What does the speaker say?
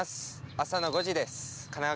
朝の５時です。